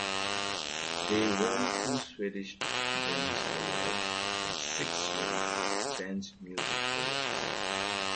They won two swedish Grammis Awards and six Swedish Dance Music Awards.